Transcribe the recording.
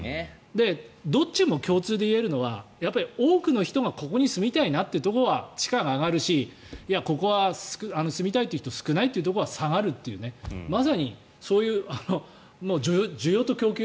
どっちも共通で言えるのは多くの人がここに住みたいなというところは地価が上がるしここは住みたい人少ないというところは下がるというねまさにそういう需要と供給